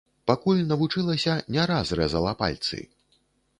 Пакуль навучылася, не раз рэзала пальцы.